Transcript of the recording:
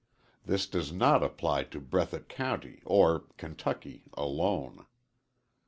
This does not apply to Breathitt County or Kentucky alone.